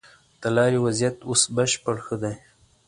د لارې وضيعت اوس بشپړ ښه دی.